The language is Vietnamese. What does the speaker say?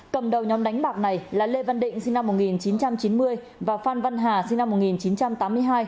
cầm đầu nhóm đánh bạc này là lê văn định sinh năm một nghìn chín trăm chín mươi và phan văn hà sinh năm một nghìn chín trăm tám mươi hai